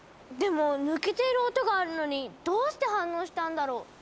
でも抜けている音があるのにどうして反応したんだろう？